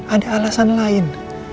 ada alasan lain